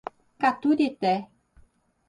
Caturité